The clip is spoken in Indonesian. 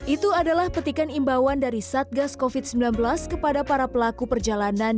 itu adalah petikan imbauan dari satgas covid sembilan belas kepada para pelaku perjalanan